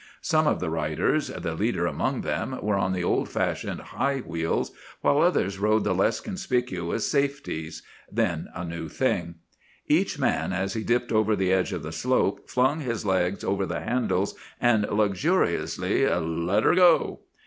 Some of the riders, the leader among them, were on the old fashioned high wheels, while others rode the less conspicuous 'Safeties,' then a new thing. Each man, as he dipped over the edge of the slope, flung his legs over the handles and luxuriously 'let her go.